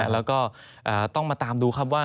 แล้วก็ต้องมาตามดูครับว่า